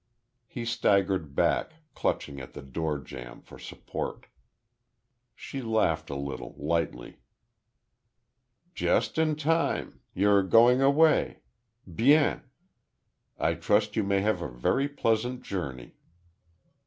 He staggered back, clutching at the door jamb for support. She laughed a little, lightly: "Just in time. You're going away. Bien. I trust you may have a very pleasant journey."